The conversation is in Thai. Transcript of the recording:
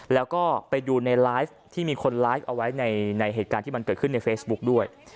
แล้วก็ไปดูในไลฟ์ที่มีคนไลฟ์เอาไว้ในเหตุการณ์ที่มันเกิดขึ้นในเฟซบุ๊กด้วย